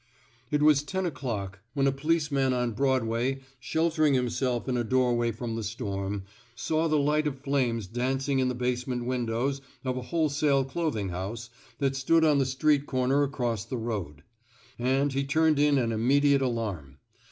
It was ten o'clock when a policemap on Broadway, sheltering himself in a doorway from the storm, saw the light of flames danc ing in the basement windows of a wholesale clothing house that stood on the street comer across the road ; and he turned in an imme diate alarm.